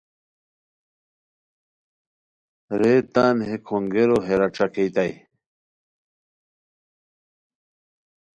رے تان ہے کھونگیرو ہیرا ݯاکیتائے